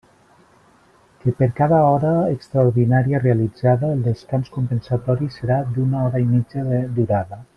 Que per cada hora extraordinària realitzada, el descans compensatori serà d'una hora i mitja de durada.